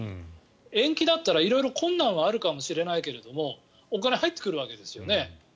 延期だったら、色々困難はあるかもしれないけれどもお金、入ってくるわけですよね。